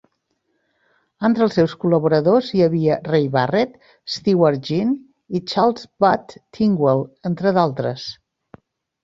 Entre els seus col·laboradors hi havia Ray Barrett, Stewart Ginn i Charles "Bud" Tingwell, entre d'altres.